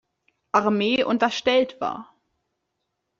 Armee unterstellt war.